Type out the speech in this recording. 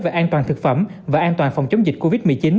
về an toàn thực phẩm và an toàn phòng chống dịch covid một mươi chín